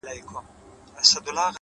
کور مي ورانېدی ورته کتله مي _